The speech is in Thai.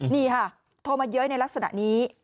นี่ค่ะโทรมาเย้ยในลักษณะนี้